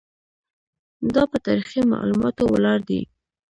دا په تاریخي معلوماتو ولاړ دی.